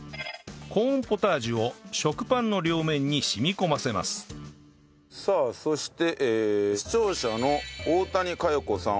コーンポタージュを食パンの両面に染み込ませますさあそして視聴者の大谷佳世子さん